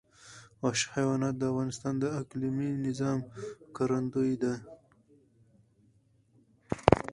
وحشي حیوانات د افغانستان د اقلیمي نظام ښکارندوی ده.